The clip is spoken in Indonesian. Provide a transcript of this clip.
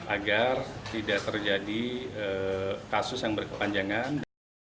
agar tidak terjadi kasus yang berkepanjangan